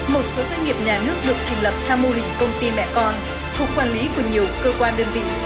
một số doanh nghiệp nhà nước được thành lập theo mô hình công ty mẹ con thuộc quản lý của nhiều cơ quan đơn vị